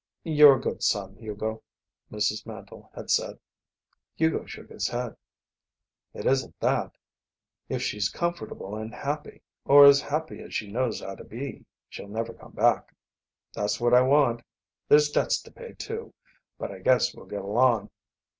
"You're a good son, Hugo," Mrs. Handle had said. Hugo shook his head. "It isn't that. If she's comfortable and happy or as happy as she knows how to be she'll never come back. That's what I want. There's debts to pay, too. But I guess we'll get along."